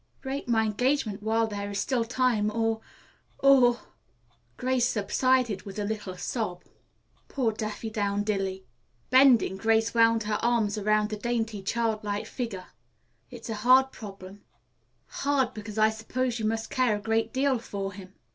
Break my engagement while there is still time or or " Arline subsided with a little sob. "Poor Daffydowndilly." Bending, Grace wound her arms about the dainty, child like figure. "It's a hard problem hard because I suppose you must care a great deal for him."